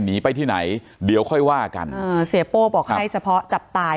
หนีไปที่ไหนเดี๋ยวค่อยว่ากันอ่าเสียโป้บอกให้เฉพาะจับตาย